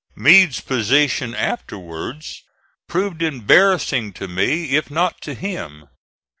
Meade's position afterwards proved embarrassing to me if not to him.